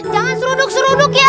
jangan seruduk seruduk ya